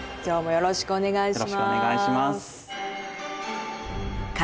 よろしくお願いします。